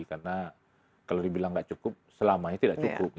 karena kalau dibilang tidak cukup selamanya tidak cukup